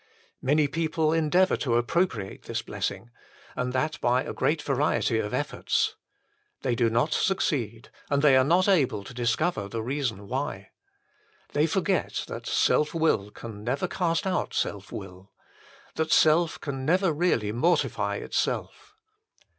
Many people endeavour to appropriate this blessing, and that by a great variety of efforts. They do not succeed, and they are not able to discover the reason why. They forget that Self will can never cast out Self will : that Self can never really mortify itself.